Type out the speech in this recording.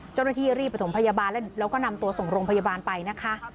เจ้าหน้าที่รีบประถมพยาบาลแล้วก็นำตัวส่งโรงพยาบาลไปนะคะ